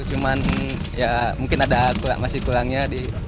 cuman ya mungkin ada masih kurangnya